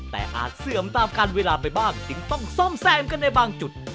แต่อาจเสื่อมตามการเวลาไปบ้างจึงต้องซ่อมแซมกันในบางจุด